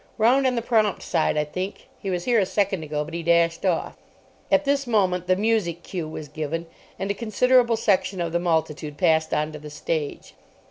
"Round on the prompt side, I think. He was here a second ago, but he dashed off." At this moment the music cue was given, and a considerable section of the multitude passed on to the stage.